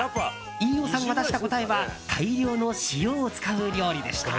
飯尾さんが出した答えは大量の塩を使う料理でした。